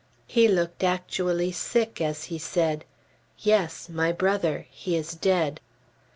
He looked actually sick as he said, "Yes, my brother; he is dead."